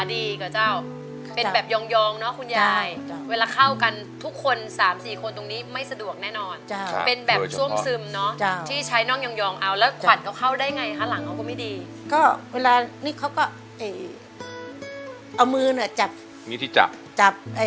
แล้วงบประมาณคุณยายคิดว่าสักเท่าไหร่คะถึงจะทำห้องน้ำได้เสร็จ